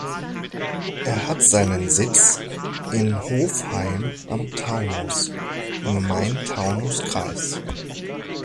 Er hat seinen Sitz in Hofheim am Taunus im Main-Taunus-Kreis.